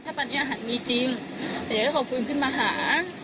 ปัญญาหันมีจริงเดี๋ยวให้เขาฟื้นขึ้นมาหา